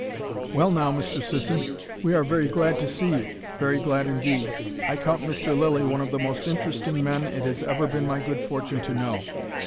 "Well now, Mr. Sisson, we are very glad to see you! Very glad, indeed. I count Mr. Lilly one of the most interesting men it has ever been my good fortune to know.